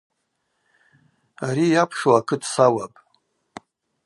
Ари йапшу акыт сауапӏ.